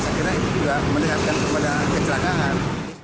saya kira itu juga meningkatkan kepada kecelakaan